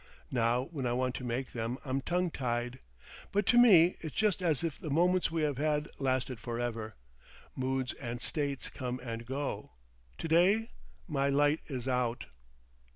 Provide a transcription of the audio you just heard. Now when I want to make them I'm tongue tied. But to me it's just as if the moments we have had lasted for ever. Moods and states come and go. To day my light is out..."